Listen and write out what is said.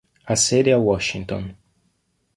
Ha sede a Washington.